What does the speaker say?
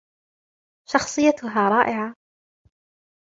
شخصيتها رائعة.